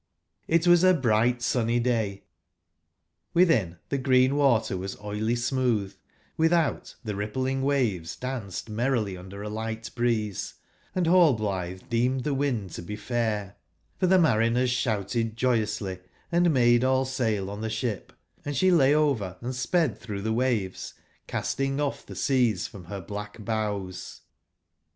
It was a brigbt sunny day ;witbin, tbe green water was oily/smootb, witbout tbe rippling waves danced merrily under a ligbt breeze, & nallblitbe deemed tbe wind to be fair; for tbe mariners sbouted joyously and made all sail on tbe sbip; and sbe lay over and sped tbrougb tbe waves, casting off tbe seas from ber black bows.